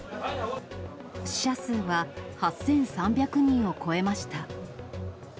死者数は８３００人を超えました。